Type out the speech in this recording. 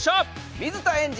水田エンジ